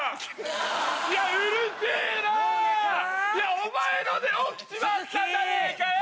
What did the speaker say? お前ので起きちまったじゃねえかよ！